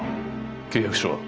契約書は？